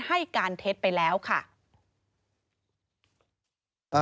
ให้การเท็จไปแล้วค่ะ